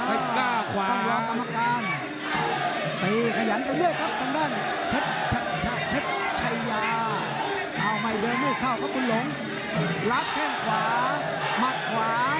เอาใหม่เยอะมีข้างก็คุณหลงลับแข้งขวาหมัดขวา